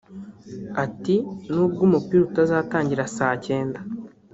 Ati “Nubwo umupira uzatangira saa cyenda